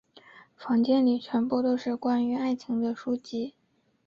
房间里全部都是关于爱情的书籍。